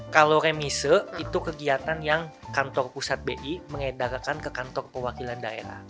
kalau remise itu kegiatan yang kantor pusat bi mengedarkan ke kantor perwakilan daerah